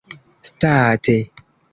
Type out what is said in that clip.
state